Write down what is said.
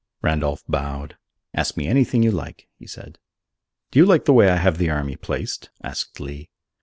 Randolph bowed. "Ask me anything you like," he said. "Do you like the way I have the army placed?" asked Lee.